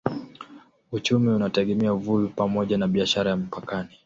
Uchumi unategemea uvuvi pamoja na biashara ya mpakani.